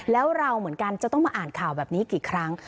แล้วเราเหมือนกันจะต้องมาอ่านข่าวแบบนี้กี่ครั้ง